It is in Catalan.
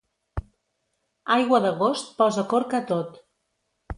Aigua d'agost posa corc a tot.